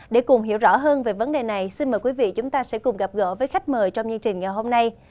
để cùng hiểu rõ hơn về vấn đề này xin mời quý vị chúng ta sẽ cùng gặp gỡ với khách mời trong chương trình ngày hôm nay